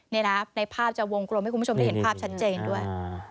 นี่นะในภาพจะวงกลมให้คุณผู้ชมได้เห็นภาพชัดเจนด้วย